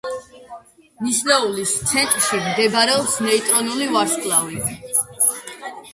ნისლეულის ცენტრში მდებარეობს ნეიტრონული ვარსკვლავი.